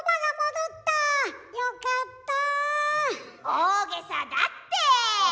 大げさだって。